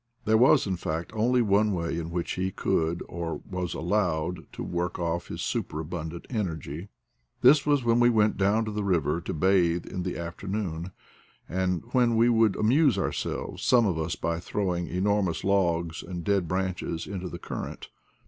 There was, in fact, only one way in which he could or was allowed to work off his superabundant en ergy. This was when we went down to the river to bathe in the afternoon, and when we would amuse ourselves, some of us, by throwing enor mous logs and dead branches into the current.